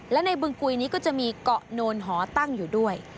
และในบึงกุยนี้ก็จะมีเกาะโนนหอตั้งอยู่ด้วย